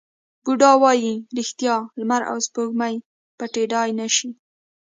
بودا وایي ریښتیا، لمر او سپوږمۍ پټېدای نه شي.